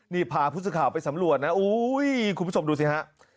นี่พาพุทธสุข่าวไปสำรวจนะโอ้โหคุณผู้ชมดูสิฮะ